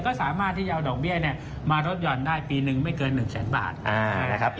ก็สามารถที่จะเอาดอกเบี้ยมาลดหยอดได้ปีหนึ่งไม่เกิน๑แสนบาท